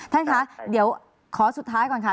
ท่านคะเดี๋ยวขอสุดท้ายก่อนค่ะ